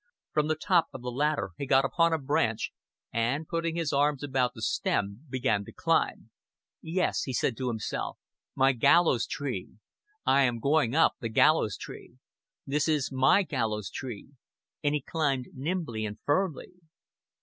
From the top of the ladder he got upon a branch, and, putting his arms about the stem, began to climb. "Yes," he said to himself, "my gallows tree. I am going up the gallows tree. This is my gallows tree;" and he climbed nimbly and firmly.